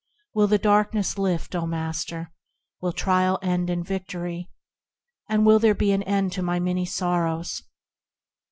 Will the darkness lift, O Master ? Will trial end in victory ? And will there be an end to my many sorrows?